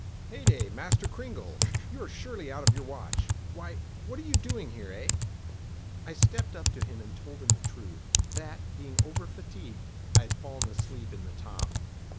"Heyday, Master Cringle, you are surely out of your watch. Why, what are you doing here, eh?" I stepped up to him and told him the truth, that, being over fatigued, I had fallen asleep in the top.